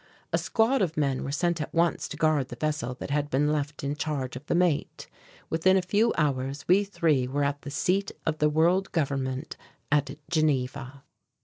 A squad of men were sent at once to guard the vessel that had been left in charge of the mate. Within a few hours we three were at the seat of the World Government at Geneva.